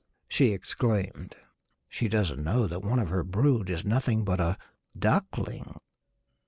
she exclaimed. "She doesn't know that one of her brood is nothing but a duckling!"